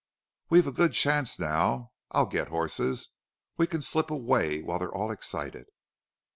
"We've a good chance now. I'll get horses. We can slip away while they're all excited."